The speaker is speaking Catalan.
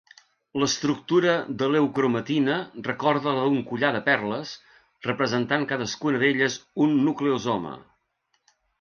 L'estructura de l'eucromatina recorda la d'un collar de perles, representant cadascuna d'elles un nucleosoma.